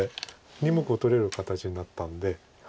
２目を取れる形になったんで。